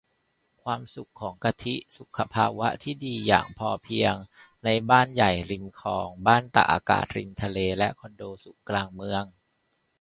ความสุขของกะทิ สุขภาวะที่ดีอย่างพอเพียง ในบ้านใหญ่ริมคลอง บ้านตากอากาศริมทะเล และคอนโดสูงกลางเมือง